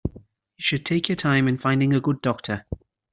You should take your time in finding a good doctor.